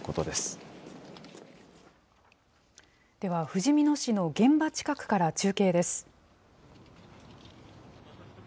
ではふじみ野市の現場近くから中継です。